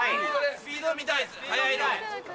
スピード見たい。